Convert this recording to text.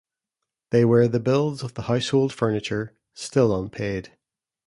They were the bills of the household furniture, still unpaid.